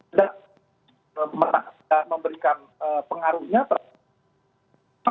tidak memberikan pengaruh nyata